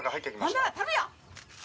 ほんなら頼むよ。